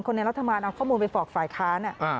คนในรัฐมนต์เอาข้อมูลไปฝอกฝ่ายค้าน่ะ